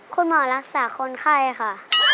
คุณหมอรักษาคนไข้ค่ะ